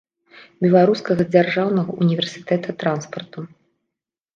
Беларускага дзяржаўнага універсітэта транспарту.